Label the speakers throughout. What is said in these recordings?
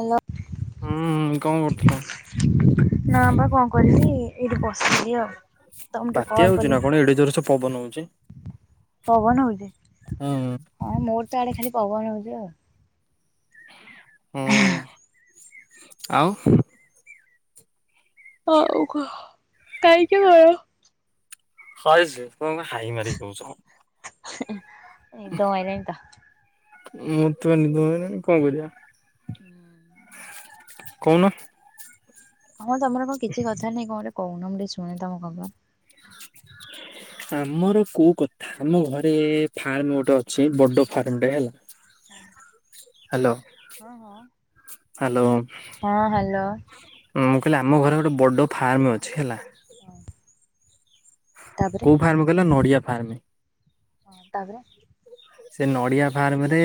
Speaker 1: Hello,
Speaker 2: ହୁଁ କଣ କରୁଥିଲ?
Speaker 1: ନା ବା କଣ କହିବି? ଏଇଠି ବସିଚି ଆଉ, ତମକୁ ଟିକେ
Speaker 2: ବାତ୍ୟା
Speaker 1: କଲ
Speaker 2: ହଉଛି ନା
Speaker 1: କରିବି
Speaker 2: କଣ ଏଡେ ଜୋର ସେ ପବନ ହଉଛି।
Speaker 1: ପବନ ହଉଛି,
Speaker 2: ହୁଁ
Speaker 1: ହଁ ମୋର ତ ଆଡେ ଖାଲି ପବନ ହଉଛି ଆଉ।
Speaker 2: ହୁଁ, ଆଉ?
Speaker 1: ଆଉ କଣ୍ [unintelligible]
Speaker 2: ହ ଯେ, କଣ ହାଇ ମାରି କହୁଚ?
Speaker 1: ନିଦ ମାଇଲାଣି ତ।
Speaker 2: ମୁଁ ତ ନିଦ ଭାଙ୍ଗିଲାନି କଣ କରିବା? କହୁନ?
Speaker 1: ହଁ ତମର କଣ କିଛି କଥା ନାଇଁ, କଣ ଗୋଟେ କହୁନ ମୁଁ ଶୁଣେ ତମ କଥା
Speaker 2: ଆମର କୋଉ କଥା ଆମ ଘରେ ଫାର୍ମ ଗୋଟେ ଅଛି। ବଡ ଫାର୍ମଟେ ହ୍ୟାଲୋ,
Speaker 1: ହଁ ହଁ।
Speaker 2: ହ୍ୟାଲୋ ଉଁ
Speaker 1: ହଁ ହ୍ୟାଲୋ
Speaker 2: କହିଲି ଆମ ଘରେ ଗୋଟେ ବଡ଼ ଫାର୍ମ ଅଛି ହେଲା।
Speaker 1: ତାପରେ
Speaker 2: କୋଉ ଫାର୍ମ କହିଲ ନଡିଆ ଫାର୍ମ।
Speaker 1: ହଁ ତାପରେ
Speaker 2: ସେ ନଡିଆ ଫାର୍ମ ରେ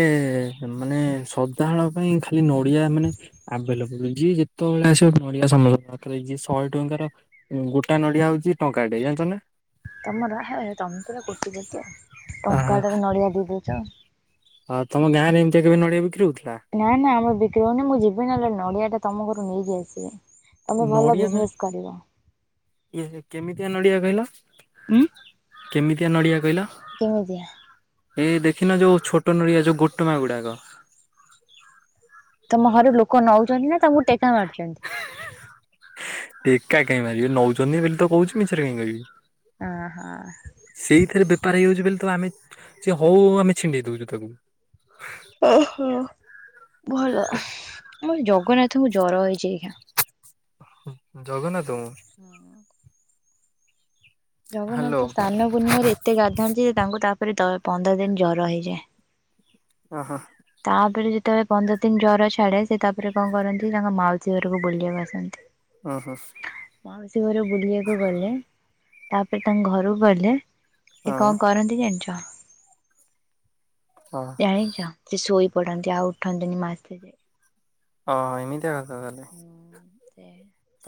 Speaker 2: ମାନେ ସଦାହଳ ପାଇଁ ଖାଲି ନଡିଆ ମାନେ ଆ ଯିଏ ଯେତେବେଳେ ଆସିବ ନଡିଆ ସମସ୍ତଙ୍କ ରଖାହେଇଚି। ଶହେ ଟଙ୍କାର ଗୋଟା ନଡିଆ ହଉଛି କାଢେଇ ଯାନିଚନା
Speaker 1: ତମର ହାଏ ତମେ ପୁରା କୋଟିପତିଆ ଟଙ୍କାଟାରେ ନଡିଆ ଦେଇଦେଇଛ।
Speaker 2: ହଁ ତମ ଗାଁରେ ଏମିତି କେବେ ନଡିଆ ବିକ୍ରି ହଉଛି?
Speaker 1: ନା ନା ଆମର ବିକ୍ରି ହଉନି। ମୁଁ ଯିବି ନହେଲେ, ନଡିଆ ଟେ ତମ ଘରୁ ନେଇକି ଆସିବି। ତମେ ଭଲ
Speaker 2: ନଡିଆ ମାନେ
Speaker 1: ବିଜିନେସ କରିବ।
Speaker 2: ଏ ନଡ଼ିଆ କହିଲା।
Speaker 1: ଉଁ
Speaker 2: କେମିତିଆ ନଡ଼ିଆ କହିଲ?
Speaker 1: କେମିତିଆ?
Speaker 2: ଏଇ ଦେଖିନ ଯୋଉ ଛୋଟ ନଡ଼ିଆ ଯୋଉ ଗୋଟମା ଗୁଡାକ
Speaker 1: ତମ ଘରେ ଲୋକ ନଉଛନ୍ତି ନା ତମକୁ ଟେକା ମାରୁଛନ୍ତି?
Speaker 2: କାହିଁକି ମାରିବେ ନଉଛନ୍ତି ବୋଲି ତ କହୁଛି। ମିଛରେ କାହିଁକି କହିବି?
Speaker 1: ଅହ।
Speaker 2: ସେଇଥିରେ ବେପାର ହେଇଯାଉଛି ବୋଲି ତ ଆମେ ସେ ହଉ ଆମେ ଛିଣ୍ଡେଇ ଦଉଛୁ ତାକୁ।
Speaker 1: ଓହୋ, ଭଲ ଆମ ଜଗନ୍ନାଥଙ୍କୁ ଜର ହେଇଛି କିଆଁ?
Speaker 2: ଜଗନ୍ନାଥ ମୁଁ
Speaker 1: ହଁ
Speaker 2: ହ୍ୟାଲୋ
Speaker 1: ଜଗନ୍ନାଥ ସ୍ନାନ ପୂର୍ଣ୍ଣିମାରେ ଏତେ ଗାଧାନ୍ତି ଏ ତାଙ୍କୁ ତାପରେ, ତ ପନ୍ଦର ଦିନ ଜର ହେଇଯାଏ।
Speaker 2: ଓ ହୋ।
Speaker 1: ତାପରେ, ଯେତେବେଳେ ପନ୍ଦର ଦିନ ଜର ଛାଡେ ସେ ତାପରେ କଣ କରନ୍ତି, ତାଙ୍କ ମାଉସୀ ଘରକୁ ବୁଲିବାକୁ ଆସନ୍ତି।
Speaker 2: ଓହୋ।
Speaker 1: ମାଉସୀ ଘର ବୁଲିବାକୁ ଗଲେ। ତାପରେ ତାଙ୍କ ଘରକୁ ଗଲେ
Speaker 2: ହଁ
Speaker 1: ସେ କଣ କରନ୍ତି ଜାଣିଛ?
Speaker 2: ହଁ
Speaker 1: ଜାଣିଛ ସେ ଶୋଇ ପଡନ୍ତି ଆଉ ଉଠନ୍ତିନି ମାସ ଯାଏ।
Speaker 2: ହଁ ଏମିତିଆ କଥା ତାହେଲେ।
Speaker 1: ସେ।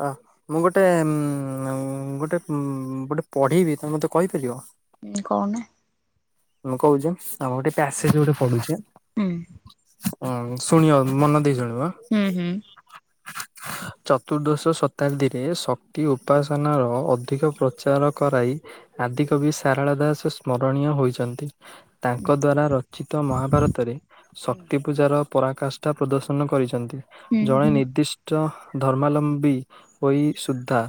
Speaker 2: ହ ମୁଁ ଗୋଟେ ଉମ ଗୋଟେ ଉମ ଗୋଟେ ପଢ଼ିବି ତମେ ମୋତେ କହିପାରିବ।
Speaker 1: ହୁଁ କହୁନ।
Speaker 2: ମୁଁ କହୁଛି ଆମର ଗୋଟେ ପ୍ୟାସେଜ ଗୋଟେ ପଢୁଛି।
Speaker 1: ହୁଁ।
Speaker 2: ହଁ ଶୁଣିବ ମନ ଦେଇ ଶୁଣ
Speaker 1: ହୁଁ ହୁଁ।
Speaker 2: ଚତୁର୍ଦ୍ଦଶ ଶତାବ୍ଦୀରେ ଶକ୍ତି ଉପାସନାର ଅଧିକ ପ୍ରଚାର କରାଇ ଆଦିକବି ସାରଳା ଦାସ ସ୍ମରଣୀୟ ହୋଇଛ ନ୍ତି ତାଙ୍କ ଦ୍ୱାରା ରଚିତ ମହାଭାରତରେ
Speaker 1: ହୁଁ
Speaker 2: ଶକ୍ତି ପୂଜାର। ପରାକାଷ୍ଠା ପ୍ରଦର୍ଶନ କରିଛନ୍ତି
Speaker 1: ହୁଁ
Speaker 2: ଜଣେ
Speaker 1: ହୁଁ।
Speaker 2: ନିର୍ଦ୍ଦିଷ୍ଟ। ଧର୍ମାଲମ୍ବୀ ହୋଇ ସୁଦ୍ଧା।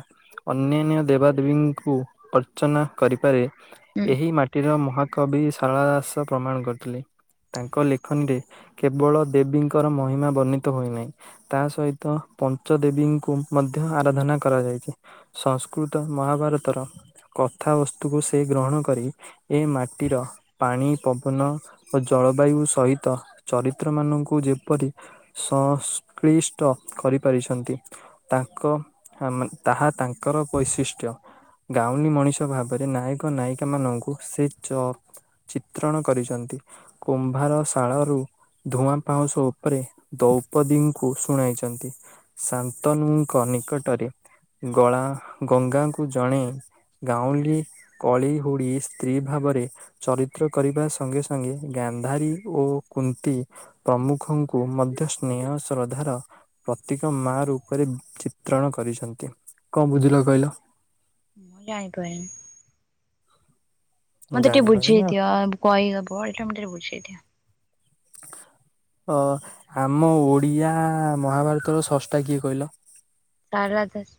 Speaker 2: ଅନ୍ୟାନ୍ୟ ଦେବାଦେବୀଙ୍କୁ ଅର୍ଚ୍ଚନା କରିପାରେ
Speaker 1: ହୁଁ
Speaker 2: ଏହି ମାଟିର ମ କବି ସାରଳାଦାସ ପ୍ରମାଣ କରିଥିଲେ। ତାଙ୍କ ଲେଖନୀରେ କେବଳ ଦେବୀଙ୍କର ମହିମା ବର୍ଣ୍ଣିତ ହୋଇନାହିଁ ତା ସହିତ। ପଞ୍ଚ ଦେବୀଙ୍କୁ ମଧ୍ୟ ଆରାଧନା କରାଯାଇଛି ସଂସ୍କୃତ ମହାଭାରତର ସ କଥାବସ୍ତୁକୁ ସେ ଗ୍ରହଣ କରି ଏ ମା ଟିର ପାଣି ପବନ ଓ ଜଳବାୟୁ ସହିତ ଚରିତ୍ରମାନଙ୍କୁ ଯେପରି। ସଂଶକ୍ଳିଷ୍ଟ କରିପାରିଛନ୍ତି ତାଙ୍କ ମ ତାହା। ତାଙ୍କର ବୈଶିଷ୍ଟ୍ୟ ଗାଉଁଲି ମଣିଷ ଭାବରେ ନାୟକ ନାୟିକା ମାନଙ୍କୁ ସେ ଚ ଚିତ୍ରଣ କରିଛନ୍ତି କୁମ୍ଭାର ଶାଳରୁ। ଧୂଆଁ ପାଉଁଶ ଉପରେ ଦୌପଦୀଙ୍କୁ ଶୁଣାଇଛନ୍ତି ଶାନ୍ତନୁଙ୍କ। ନିକଟରେ। ଗଳା ଗଙ୍ଗାଙ୍କୁ ଜଣେ ଗାଉଁଲି କଳି ହୁଡି ସ୍ତ୍ରୀ ଭାବରେ ଚରିତ୍ର କରିବା ସଙ୍ଗେ ସଙ୍ଗେ ଗାନ୍ଧାରୀ ଓ କୁନ୍ତି।
Speaker 1: ମୁଁ
Speaker 2: ପ୍ରମୁଖଙ୍କୁ ମ ଧ ସ୍ନେହ ଶ୍ରଦ୍ଧାର ପ୍ରତୀକ ମା ରୂପରେ ଚିତ୍ରଣ କରିଛନ୍ତି। କଣ ବୁଝିଲ କହିଲ?
Speaker 1: ମୁଁ ଜାଣି ପାରୁନି। ମତେ ଟିକେ
Speaker 2: ଜାଣିପାରିଲିନି ଆଉ
Speaker 1: ବୁଝେଇଦିଅ କହି ହବ ଏଟା ମତେ ଟିକେ ବୁଝେଇଦିଅ।
Speaker 2: ଅ ଆମ ଓଡିଆ ମହାଭାରତର ସ୍ରଷ୍ଟା କିଏ କହିଲ?
Speaker 1: ସାରଳା ଦାସ।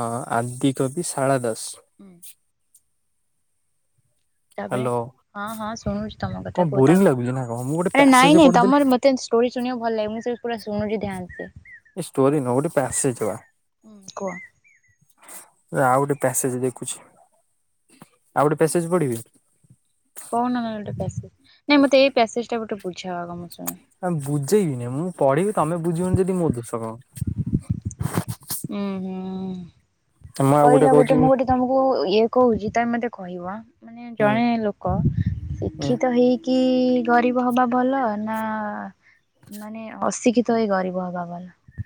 Speaker 2: ଅଁ ଆଦିକବି ସାରଳା
Speaker 1: ହୁଁ
Speaker 2: ଦାସ।
Speaker 1: ତାପରେ
Speaker 2: ହ୍ୟାଲୋ
Speaker 1: ହଁ ହଁ ଶୁଣୁଛି ତମ କଥା
Speaker 2: କଣ
Speaker 1: କୁ ତା
Speaker 2: ବୋରିଂ ଲାଗୁଛି ନା କଣ ମୁଁ ଗୋଟେ
Speaker 1: ଆରେ
Speaker 2: ପ୍ୟାସେଜ
Speaker 1: ନାଇଁ ନାଇଁ
Speaker 2: ପଢିଦେଲି
Speaker 1: ତମର ମତେ ଷ୍ଟୋରି ଶୁଣିବାକୁ ଭଲ ଲାଗେ ମୁଁ ସେ ପୁରା ଶୁଣୁଛି ଧ୍ୟାନ ସେ।
Speaker 2: ଏ ଷ୍ଟୋରି ନୁହ ଗୋଟେ ପାସେଜ ବା।
Speaker 1: ହୁଁ କୁହ
Speaker 2: ଆଉ ଗୋଟେ ପ୍ୟାସେଜ ଦେଖୁଛି। ଆଉ ଗୋଟେ ପେସେଜ ପଢିବି।
Speaker 1: କହୁନ କ ଗୋଟେ ପ୍ୟାସେଜ ନାଇ ମତେ ଏଇ ପ୍ୟାସେଜ ଟା ଗୋଟେ ବୁଝାଅ ଆଗ ମୁଁ ଶୁଣ
Speaker 2: ଆ ବୁଝେଇବିନି ମୁଁ ପଢିବି ତମେ ବୁଝିବନି ଯଦି ମୋ ଦୋଷ କଣ।
Speaker 1: ହୁଁ ହୁଁ
Speaker 2: ମୁଁ ଆଉ
Speaker 1: କହିଲ ଗୋଟେ
Speaker 2: କହୁଛି
Speaker 1: ମୁଁ ଗୋଟେ ତମକୁ ଇଏ କହୁଛି ତମେ ମତେ କହିବ ଆଁ ମାନେ
Speaker 2: ହୁଁ
Speaker 1: ଜଣେ ଲୋକ
Speaker 2: ହୁଁ
Speaker 1: ଶିକ୍ଷିତ ହେଇକି। ଗରିବ ହବା ଭଲ ନା ମାନେ ଅଶିକ୍ଷିତ ତ ହେଇ ଗରିବ ହବା ଭଲ।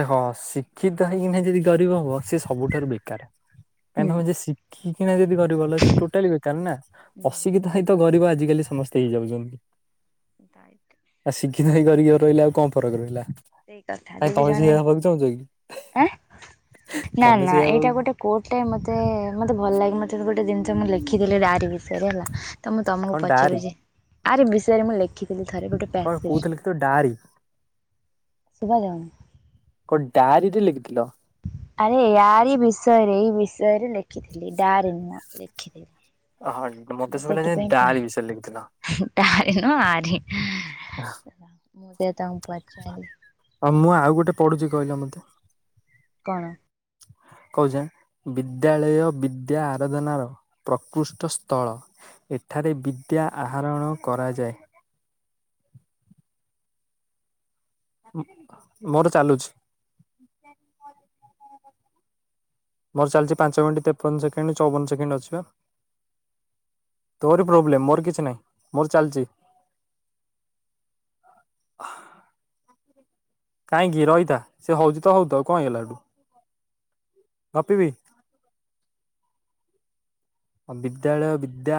Speaker 2: ଦେଖ ଶିକ୍ଷିତ ହେଇକି ନାହି ଯଦି ଗରିବ ହବ। ସେ ସବୁଠାରୁ ବେକାର କାଇଁ
Speaker 1: ହୁଁ।
Speaker 2: ତମେ ଯଦି ଶିଖିକି ଣା ଯ ଗରିବ ସେ ଟୋଟାଲି କହିଚ ନା ଅସିକିଥା ହଇତ ଗରିବ ଆଜିକାଲି ସମସ୍ତେ ହେଇଯାଉଛନ୍ତି।
Speaker 1: ଦାୟିତ୍ୱ।
Speaker 2: କି ନାହିଁ କରିକି ରହିଲା ଆଉ କଣ ଫକ ରହିଲା।
Speaker 1: ସେଇ କଥା।
Speaker 2: ନାଇଁ
Speaker 1: ଯଦି
Speaker 2: ତମେ
Speaker 1: ଜଣେ
Speaker 2: ସିଏ ହେବାକୁ ଚାହୁଁଛ କି?
Speaker 1: ଆଁ ନା
Speaker 2: ତମେ
Speaker 1: ନା
Speaker 2: ସେଇଆ
Speaker 1: ଏଇଟା
Speaker 2: ହବାକୁ
Speaker 1: ଗୋଟେ କୋଟେ ମତେ ମତେ ଭଲ ଲାଗେ ମତେ। ଗୋଟେ ଜିନିଷ ମୁଁ ଲେଖିଥିଲି ଆାରି ବିଷୟରେ ହେଲା ତ ମୁଁ ତମକୁ
Speaker 2: କଣ ଡାଆରି
Speaker 1: ପଚାରିଲି ଯେ ଆାର ବିଷୟରେ ମୁଁ ଲେଖିଥିଲି। ଥରେ ଗୋଟେ ପେ।
Speaker 2: କଣ କହୁଥିଲ କି ତ ଡାଆରି
Speaker 1: ଶୁଭାଯାମ।
Speaker 2: କଣ ଡାଆରିରେ ଲେଖିଥିଲ।
Speaker 1: ଆରେ ୟାର ଏ ବିଷୟରେ ଏଇ ବିଷୟରେ ଲେଖିଥିଲି ଡାର ନୁହଁ ଲେଖିଥିଲି।
Speaker 2: ହଁ
Speaker 1: ମୁଁ
Speaker 2: ମତେ ସବୁ ଡାର ବିଷୟରେ ଲେଖିଥିଲ।
Speaker 1: ଏନ ଆଠ। ତାଙ୍କୁ ପଚାରିଲି
Speaker 2: ଆଉ ମୁଁ ଆଉ ଗୋଟେ। ପଡ଼ୁଛି କହିଲା ମୋତେ।
Speaker 1: କଣ?
Speaker 2: କହୁଛେ ବିଦ୍ୟାଳୟ ବିଦ୍ୟା ଆରାଧନାର ପ୍ରକୃଷ୍ଟ ସ୍ଥଳ ଏ। ଏଠାରେ ବିଦ୍ୟା ଆହରଣ କରାଯାଏ। ମୋର ଚାଲୁଛି। ମୋର ଚାଲିଚି ପାଞ୍ଚ ମିନିଟ ତେପନ ସେକେଣ୍ଡ ଚଉବନ ସେକେଣ୍ଡ ଅଛିିବା। ତୋରି ପ୍ରୋବ୍ଲେମ ମୋର କିଛି ନାହିଁ ମୋର ଚାଲିଚି। କାହିଁକି ରଇତା ସେ ହଉଚି ତ ହଉତାଉ କଣ ହେଇ ଗଲା ହେଠୁ? ଗପିବି? ବିଦ୍ୟାଳୟ ବିଦ୍ୟା।